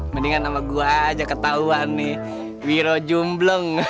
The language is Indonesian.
mendingan nama gua aja ketahuan nih wiro jumbleng